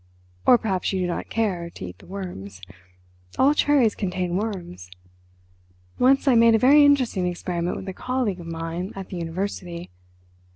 Or perhaps you do not care to eat the worms. All cherries contain worms. Once I made a very interesting experiment with a colleague of mine at the university.